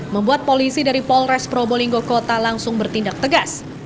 membuat polisi dari polres probolinggo kota langsung bertindak tegas